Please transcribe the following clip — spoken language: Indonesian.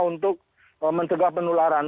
untuk mencegah penularan